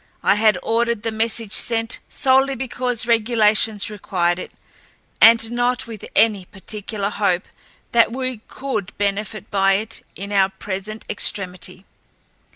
I had ordered the message sent solely because regulations required it, and not with any particular hope that we could benefit by it in our present extremity.